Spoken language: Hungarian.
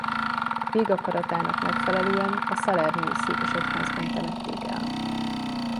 Végakaratának megfelelően a salernói székesegyházban temették el.